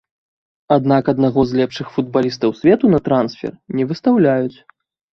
Аднак аднаго з лепшых футбалістаў свету на трансфер не выстаўляюць.